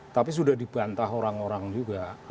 tapi sudah dibantah orang orang juga